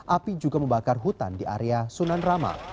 api juga membakar hutan di area sunan rama